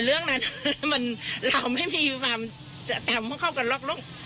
เรื่องนั้นมันเราไม่มีความจะทำเข้ากันหรอกลุก